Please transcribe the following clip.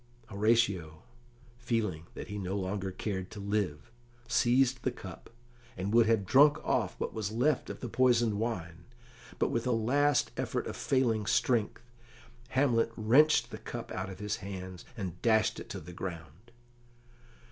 Horatio, feeling that he no longer cared to live, seized the cup, and would have drunk off what was left of the poisoned wine, but with a last effort of failing strength, Hamlet wrenched the cup out of his hands, and dashed it to the ground.